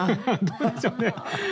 どうでしょうね。